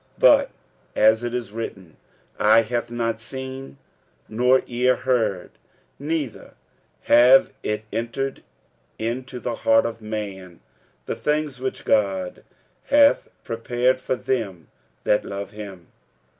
46:002:009 But as it is written, Eye hath not seen, nor ear heard, neither have entered into the heart of man, the things which God hath prepared for them that love him.